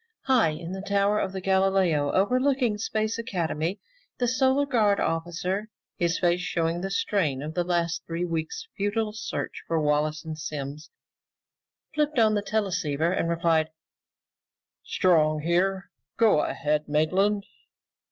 High in the Tower of Galileo overlooking Space Academy, the Solar Guard officer, his face showing the strain of the last three weeks' futile search for Wallace and Simms, flipped on the teleceiver and replied, "Strong here. Go ahead, Maitland."